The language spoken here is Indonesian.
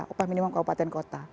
upah minimum keopatan kota